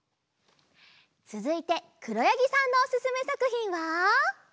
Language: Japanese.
つづいてくろやぎさんのおすすめさくひんは。